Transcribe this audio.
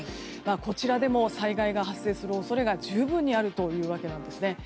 こちらでも災害が発生する恐れが十分にあるというわけなんですね。